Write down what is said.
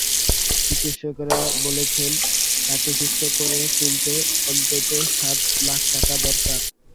চিকিৎসকেরা বলেছেন, তাকে সুস্থ করে তুলতে অন্তত সাত লাখ টাকা দরকার।